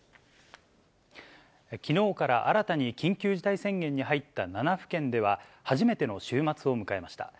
きのうから新たに緊急事態宣言に入った７府県では、初めての週末を迎えました。